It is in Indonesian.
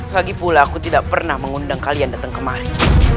lagipula aku tidak pernah mengundang kalian datang kemari